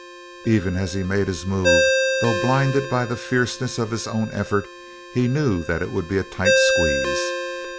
Even as he made the move, though blinded by the fierceness of his own effort, he knew that it would be a tight squeeze.